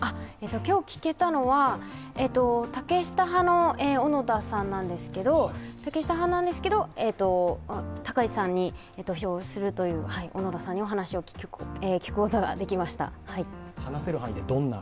今日聞けたのは、竹下派の小野田さんなんですけど竹下派なんですが、高市さんに票を入れるという小野田さんにお話を聞くことができました。